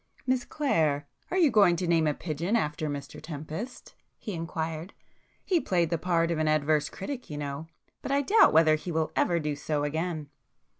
"Miss Clare, are you going to name a pigeon after Mr Tempest?" he inquired—"He played the part of an adverse critic, you know—but I doubt whether he will ever do so again!"